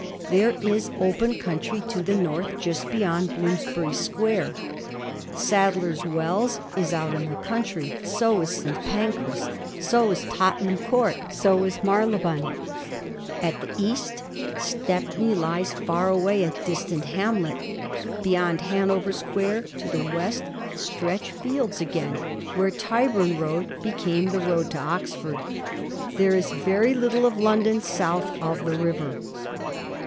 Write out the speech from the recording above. There is open country to the north just beyond Bloomsbury Square ; Sadler's Wells is out in the country, so is St. Pancras, so is Totten ham Court, so is Marylebone. At the east Stepney lies far away, a distant hamlet. Beyond Hanover Square to the west stretch fields again, where Tyburn Road became the road to Oxford. There is very little of London south of the river.